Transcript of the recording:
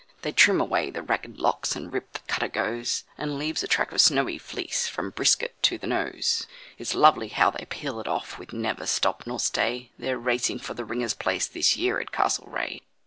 They trim away the ragged locks, and rip the cutter goes, And leaves a track of snowy fleece from brisket to the nose; It's lovely how they peel it off with never stop nor stay, They're racing for the ringer's place this year at Castlereagh.